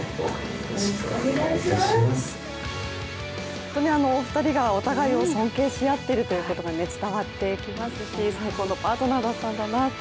本当にお二人がお互いを尊敬しているのが伝わってきますし、最高のパートナーだったんだなと。